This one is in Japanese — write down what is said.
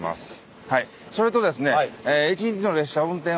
それとですね。